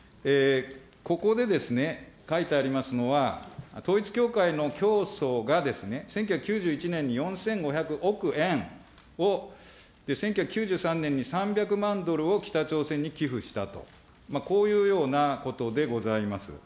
ここで書いてありますのは、統一教会の教祖がですね、１９９１年に４５００億円を、１９９３年に３００万ドルを北朝鮮に寄付したと、こういうようなことでございます。